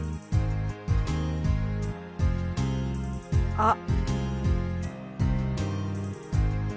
あっ！